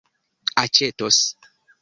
aĉetos